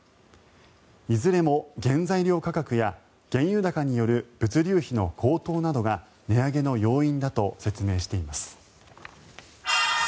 いずれも原材料価格や原油高による物流費の高騰などが値上げの要因だと説明しています。